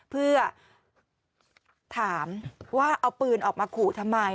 เพื่อถามว่าเอาปืนออกมาขู่ทำไม